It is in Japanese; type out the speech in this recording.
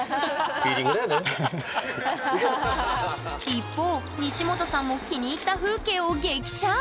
一方西本さんも気に入った風景を激写！